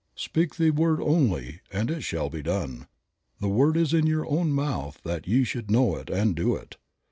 " "Speak the word only and it shall be done." "The word is in your own mouth that ye should know it and do it."